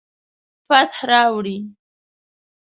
فتح راوړي